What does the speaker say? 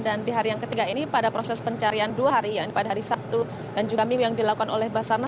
dan di hari yang ketiga ini pada proses pencarian dua hari yang pada hari sabtu dan juga minggu yang dilakukan oleh basarnas